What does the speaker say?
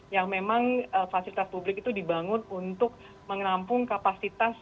yang memang fasilitas publik itu dibangun untuk menampung kapasitas